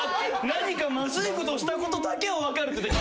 何かまずいことしたことだけは分かる。